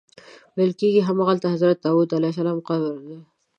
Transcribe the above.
ویل کېږي همغلته د حضرت داود علیه السلام قبر دی.